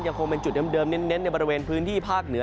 ยังคงเป็นจุดเดิมเน้นในบริเวณพื้นที่ภาคเหนือ